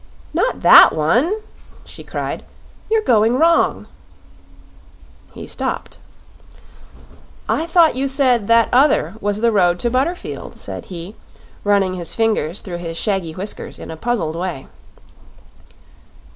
"Not that one!" she cried; "you're going wrong." He stopped. "I thought you said that other was the road to Butterfield," said he, running his fingers through his shaggy whiskers in a puzzled way.